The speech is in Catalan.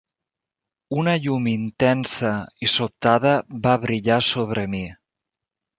Una llum intensa i sobtada va brillar sobre mi.